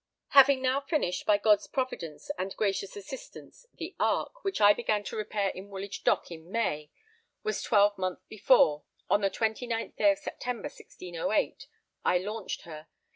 Having now finished, by God's providence and gracious assistance, the Ark, which I began to repair in Woolwich Dock in May, was twelve month before, on the 29th day of September, 1608, I launched her.